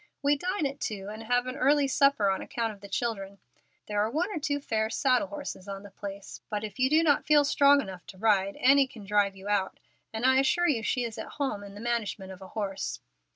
We dine at two, and have an early supper on account of the children. There are one or two fair saddle horses on the place, but if you do not feel strong enough to ride, Annie can drive you out, and I assure you she is at home in the management of a horse."